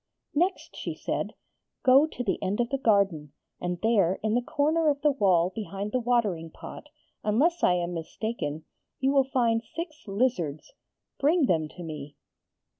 Next she said: 'Go to the end of the garden; and there in the corner of the wall behind the watering pot, unless I am mistaken, you will find six lizards. Bring them to me.'